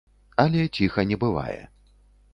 Але ціха не бывае.